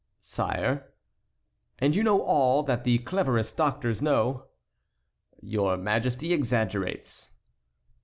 "Sire"— "And you know all that the cleverest doctors know?" "Your Majesty exaggerates."